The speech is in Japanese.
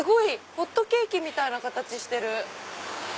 ホットケーキみたいな形してる。